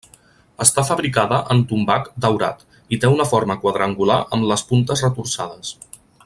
Està fabricada en tombac daurat, i té una forma quadrangular amb les puntes retorçades.